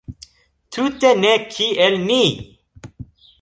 Tute ne kiel ni!